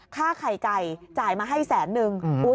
ค่าไข่ไก่จ่ายมาให้แสนนึง